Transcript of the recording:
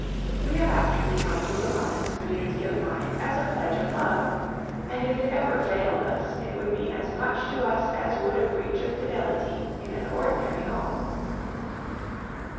We have actually come to look on this community of mind as a pledge of love; and if it ever failed us, it would mean as much to us as would a breach of fidelity in an ordinary home.